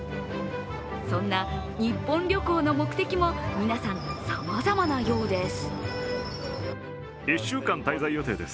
そんなニッポン旅行の目的も皆さん、さまざまなようです。